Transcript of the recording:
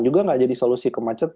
juga nggak jadi solusi kemacetan